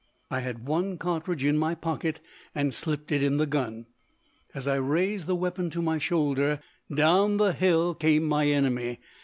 I had one cartridge in my pocket and slipped it in the gun. As I raised the weapon to my shoulder, down the hill came my enemy.